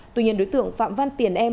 tuy nhiên đối tượng phạm văn tiền em